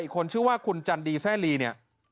คนชื่อว่าคุณจันดีแซ่ลีเนี่ย